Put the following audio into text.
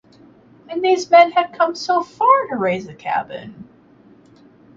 And these men had come so far to raise a cabin!